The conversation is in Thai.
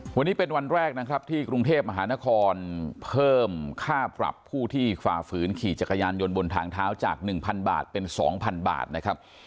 วันนี้เป็นวันแรกนะครับที่กรุงเทพมหานครเพิ่มค่าปรับผู้ที่ฝ่าฝืนขี่จักรยานยนต์บนทางเท้าจาก๑๐๐บาทเป็น๒๐๐บาทนะครับ